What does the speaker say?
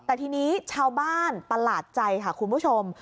แต่ทีนี้ชาวบ้านประหลาดใจค่ะคุณผู้ชม